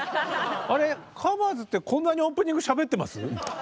あれ「ＴｈｅＣｏｖｅｒｓ」ってこんなにオープニングしゃべってます